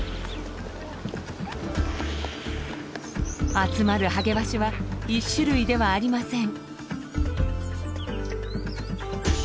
集まるハゲワシは１種類ではありません。